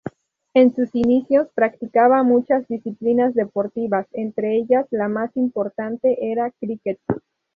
En sus inicios, practicaba muchas disciplinas deportivas; entre ellas la más importante era cricket.